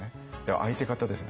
相手方ですね